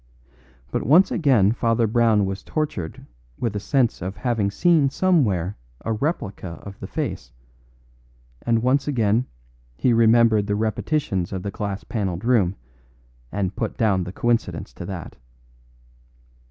But once again Father Brown was tortured with a sense of having seen somewhere a replica of the face; and once again he remembered the repetitions of the glass panelled room, and put down the coincidence to that.